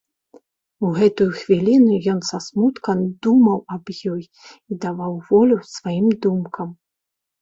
У гэтую хвіліну ён са смуткам думаў аб ёй і даваў волю сваім думкам.